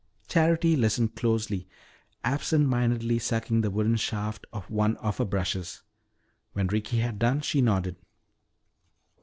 Charity listened closely, absent mindedly sucking the wooden shaft of one of her brushes. When Ricky had done, she nodded.